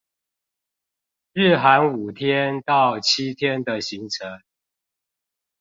日韓五天到七天的行程